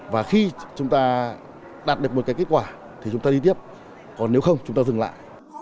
và khi chúng ta đạt được một cái kết quả thì chúng ta đi tiếp còn nếu không chúng ta dừng lại